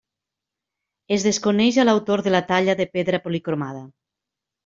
Es desconeix a l'autor de la talla, de pedra policromada.